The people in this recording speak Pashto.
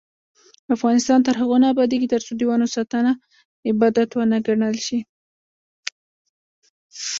افغانستان تر هغو نه ابادیږي، ترڅو د ونو ساتنه عبادت ونه ګڼل شي.